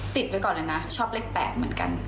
ติดไว้ก่อนเลยนะชอบเลข๘เหมือนกัน